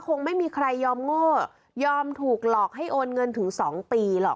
คงไม่มีใครยอมโง่ยอมถูกหลอกให้โอนเงินถึง๒ปีหรอก